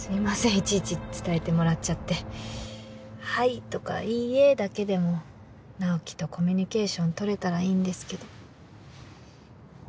いちいち伝えてもらっちゃって「はい」とか「いいえ」だけでも直木とコミュニケーション取れたらいいんですけどあ